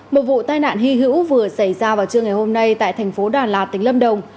một vụ tai nạn hy hữu vừa xảy ra vào trưa ngày hôm nay tại thành phố đà lạt tỉnh lâm đồng